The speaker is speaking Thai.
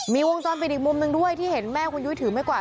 มีวงจรปิดอีกมุมหนึ่งด้วยที่เห็นแม่คุณยุ้ยถือไม่กวาด